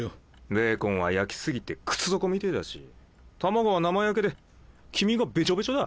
ベーコンは焼き過ぎて靴底みてぇだし卵は生焼けで黄身がベチョベチョだ。